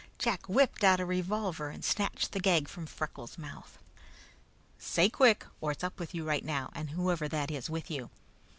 Jack whipped out a revolver and snatched the gag from Freckles' mouth. "Say quick, or it's up with you right now, and whoever that is with you!"